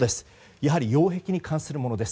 やはり擁壁に関するものです。